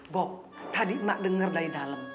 bob tadi mak denger dari dalam